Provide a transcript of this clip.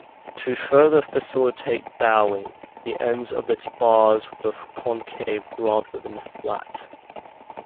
To further facilitate bowing, the ends of its bars were concave rather than flat.